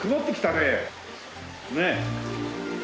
ねえ。